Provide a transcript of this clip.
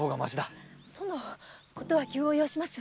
事は急を要します。